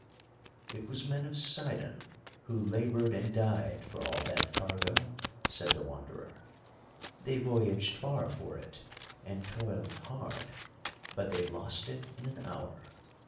"It was men of Sidon who laboured and died for all that cargo," said the Wanderer; "they voyaged far for it, and toiled hard, but they lost it in an hour.